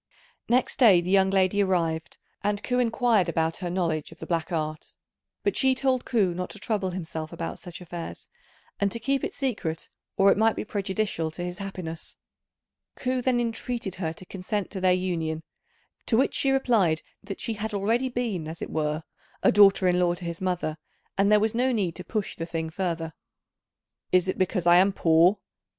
Next day the young lady arrived, and Ku inquired about her knowledge of the black art; but she told Ku not to trouble himself about such affairs, and to keep it secret or it might be prejudicial to his happiness. Ku then entreated her to consent to their union, to which she replied that she had already been as it were a daughter in law to his mother, and there was no need to push the thing further. "Is it because I am poor?"